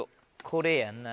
これやんな。